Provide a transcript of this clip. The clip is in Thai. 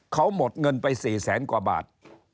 เขาหมดเงินไป๔แสนกว่าบาท